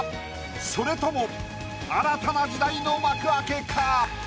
それとも新たな時代の幕開けか？